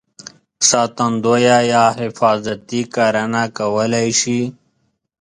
ساتندویه یا حفاظتي کرنه کولای شي.